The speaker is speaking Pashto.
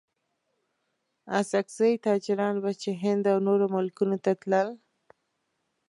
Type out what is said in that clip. اڅګزي تاجران به چې هند او نورو ملکونو ته تلل.